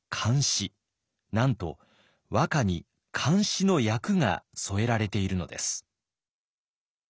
なんと和歌に漢詩の訳が添えられているのです。